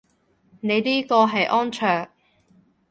你呢個係安卓